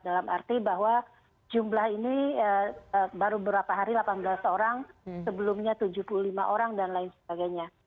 dalam arti bahwa jumlah ini baru beberapa hari delapan belas orang sebelumnya tujuh puluh lima orang dan lain sebagainya